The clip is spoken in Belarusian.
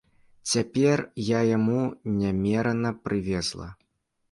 Цяпер я яму нямерана прывезла.